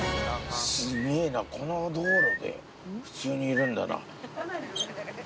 すげぇな、この道路で普通にいるんだな。